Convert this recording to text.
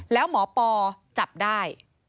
แล้วหมอปอจับได้